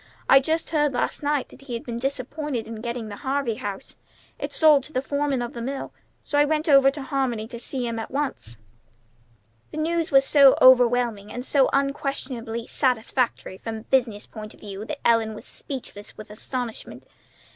I just heard last evening that he had been disappointed in getting the Harvey house. It's sold to the foreman of the mill. So I went over to Harmony to see him at once." The news was so overwhelming and so unquestionably satisfactory from a business point of view that Ellen was speechless with astonishment.